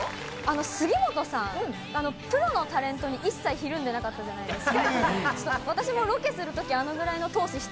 杉本さん、プロのタレントに一切ひるんでなかったじゃないですか。